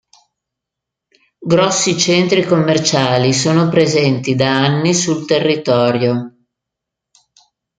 Grossi centri commerciali sono presenti da anni sul territorio.